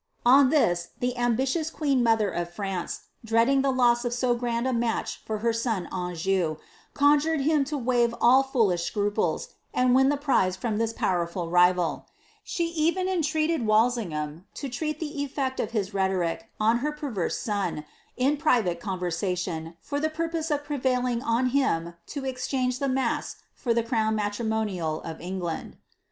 On this, the ambitious queen molher of France, dreading loss of so grand a match for her son Anjou, conjured him to uaii foolish scruples, and win the prize from this powerful rival She entreated Walsinghara to try the effect of his rhetoric on her per Ron, in s private conversation, for the purpose of prevailing on hii exchange the ma^s for the crown matrimonial of England.